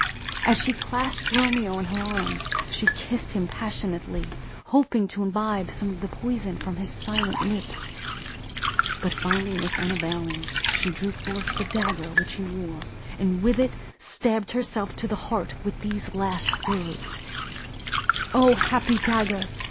As she clasped Romeo in her arms, she kissed him passionately, hoping to imbibe some of the poison from his silent lips; but finding this unavailing, she drew forth the dagger which he wore, and with it stabbed herself to the heart with these last words: "O, happy dagger!